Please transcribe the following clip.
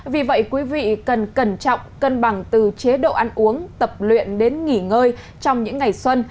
vì vậy quý vị cần cẩn trọng cân bằng từ chế độ ăn uống tập luyện đến nghỉ ngơi trong những ngày xuân